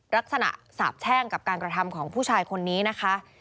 สาบแช่งกับการกระทำของผู้ชายคนนี้นะคะ